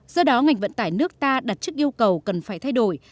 do đó ngành vận tải nước ta đặt trước yêu cầu cần phải thay đổi